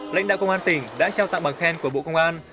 lãnh đạo công an tỉnh đã trao tặng bằng khen của bộ công an